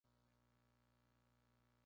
Provoca tormentas y lluvias muy frías.